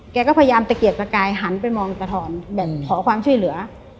แกก็พยายามตะเกียกตะกายหันไปมองตาทอนแบบขอความช่วยเหลือ